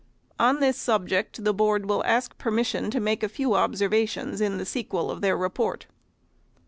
On this subject, the Board will ask permission to make a few observations in the sequel of their report.